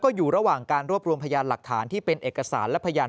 อยู่ระหว่างการรวบรวมพยานหลักฐานที่เป็นเอกสารและพยาน